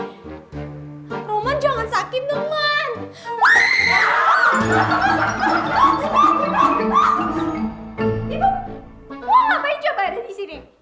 ibu apa aja lu ada di sini